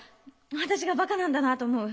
私がバカなんだなと思う。